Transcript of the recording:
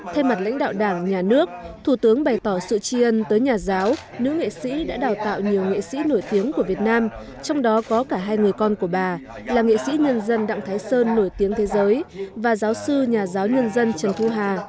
thay mặt lãnh đạo đảng nhà nước thủ tướng bày tỏ sự tri ân tới nhà giáo nữ nghệ sĩ đã đào tạo nhiều nghệ sĩ nổi tiếng của việt nam trong đó có cả hai người con của bà là nghệ sĩ nhân dân đặng thái sơn nổi tiếng thế giới và giáo sư nhà giáo nhân dân trần thu hà